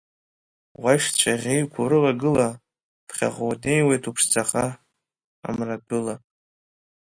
Уашьцәа ӷьеҩқәа урылагыла, Ԥхьаҟа унеиуеит уԥшӡаха, Амратәыла…